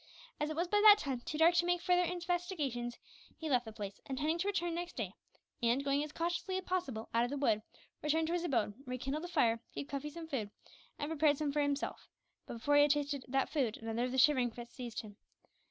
As it was by that time too dark to make further investigations, he left the place, intending to return next day; and, going as cautiously as possible out of the wood, returned to his abode, where he kindled a fire, gave Cuffy some food, and prepared some for himself; but before he had tasted that food another of the shivering fits seized him.